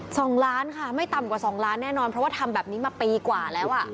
สองล้านค่ะไม่ต่ำกว่าสองล้านแน่นอนเพราะว่าทำแบบนี้มาปีกว่าแล้วอ่ะ